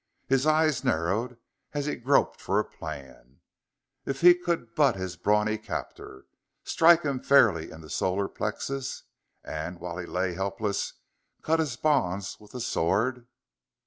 His eyes narrowed as he groped for a plan. If he could butt his brawny captor, strike him fairly in the solar plexus, and, while he lay helpless, cut his bonds with the sword....